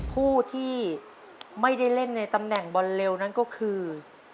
ผู้ที่ไม่ได้เล่นในตำแหน่งบอลเร็วนั้นก็คือ